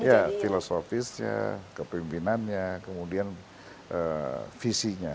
ya filosofis kepimpinannya kemudian visinya